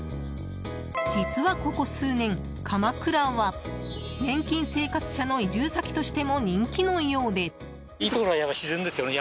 実はここ数年、鎌倉は年金生活者の移住先としても人気のようで。